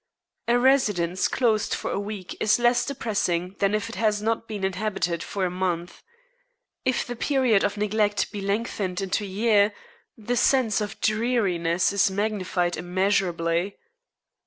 A residence closed for a week is less depressing than if it has not been inhabited for a month. If the period of neglect be lengthened into a year, the sense of dreariness is magnified immeasurably.